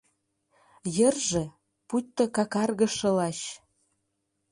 Йырже — пуйто какаргыше лач.